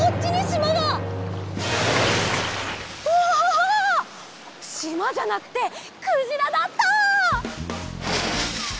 しまじゃなくてくじらだった！